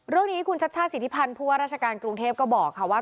เรื่องนี้คุณชัชชาติสิทธิพันธ์ผู้ว่าราชการกรุงเทพก็บอกค่ะว่า